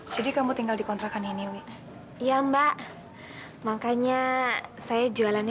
sampai jumpa di video selanjutnya